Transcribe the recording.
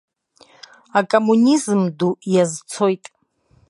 Акоммунизм ду иазцоит.